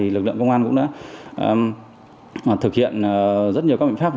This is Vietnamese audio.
lực lượng công an cũng đã thực hiện rất nhiều các biện pháp